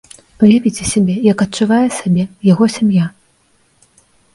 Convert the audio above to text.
Уявіце сабе, як адчувае сябе яго сям'я.